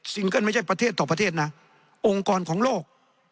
เกิ้ลไม่ใช่ประเทศต่อประเทศนะองค์กรของโลก